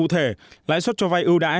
cụ thể lãi suất cho vay ưu đãi